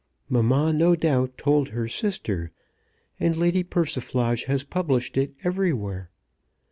Mamma no doubt told her sister, and Lady Persiflage has published it everywhere.